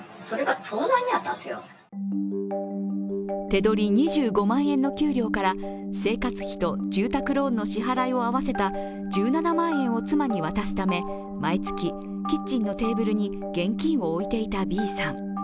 手取り２５万円の給料から生活費と住宅ローンの支払いを合わせた１７万円を妻に渡すため毎月、キッチンのテーブルに現金を置いていたＢさん。